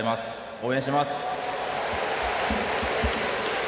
応援してます！